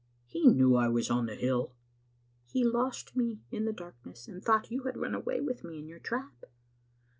" He knew I was on the hill, "" He lost me in the darkness, and thought you had run away with me in your trap.